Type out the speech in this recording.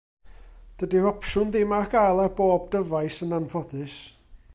Dydy'r opsiwn ddim ar gael ar bob dyfais, yn anffodus.